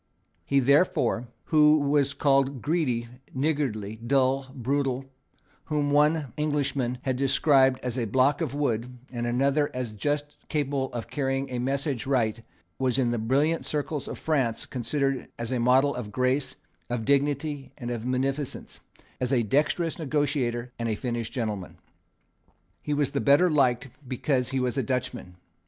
He, therefore, who here was called greedy, niggardly, dull, brutal, whom one English nobleman had described as a block of wood, and another as just capable of carrying a message right, was in the brilliant circles of France considered as a model of grace, of dignity and of munificence, as a dexterous negotiator and a finished gentleman. He was the better liked because he was a Dutchman.